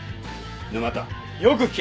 沼田よく聞け。